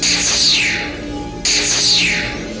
artinya nephew tolong ya